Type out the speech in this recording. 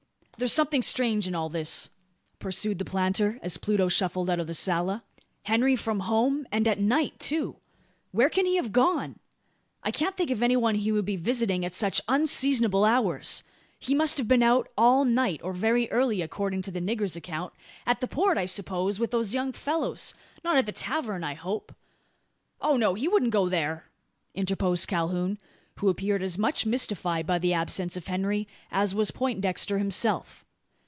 "There's something strange in all this," pursued the planter, as Pluto shuffled out of the sala. "Henry from home; and at night too. Where can he have gone? I can't think of any one he would be visiting at such unseasonable hours! He must have been out all night, or very early, according to the nigger's account! At the Port, I suppose, with those young fellows. Not at the tavern, I hope?" "Oh, no! He wouldn't go there," interposed Calhoun, who appeared as much mystified by the absence of Henry as was Poindexter himself.